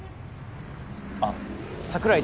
あっ桜井